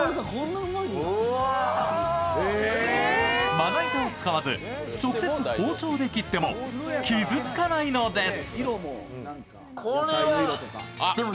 まな板を使わず直接包丁で切っても傷つかないのです。